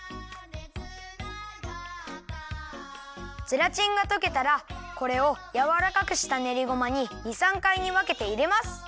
ゼラチンがとけたらこれをやわらかくしたねりごまに２３かいにわけていれます。